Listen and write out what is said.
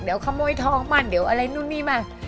เดี๋ยวขโมยทองมาเดี๋ยวอะไรนู่นนี่มา